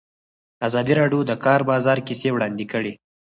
ازادي راډیو د د کار بازار کیسې وړاندې کړي.